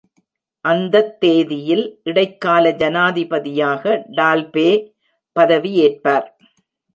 அந்தத் தேதியில் இடைக்கால ஜனாதிபதியாக டால்பே பதவியேற்பார்.